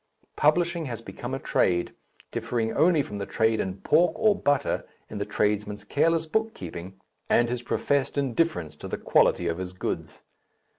Publishing has become a trade, differing only from the trade in pork or butter in the tradesman's careless book keeping and his professed indifference to the quality of his goods.